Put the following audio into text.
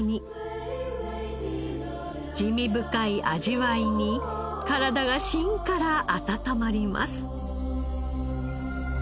滋味深い味わいに体が芯から温まります。